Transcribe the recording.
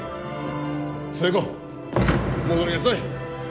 寿恵子戻りなさい！